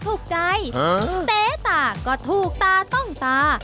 ถูกใจเต๊ตาก็ถูกตาต้องตา